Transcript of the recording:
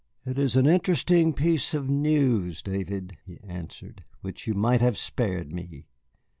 "It is an interesting piece of news, David," he answered, "which you might have spared me.